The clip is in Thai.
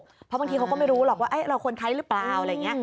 เพราะบางทีเขาก็ไม่รู้หรอกว่าเราคนไทยหรือเปล่า